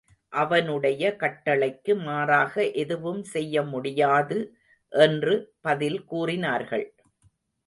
அவனுடைய கட்டளைக்கு மாறாக எதுவும் செய்ய முடியாது என்று பதில் கூறினார்கள்.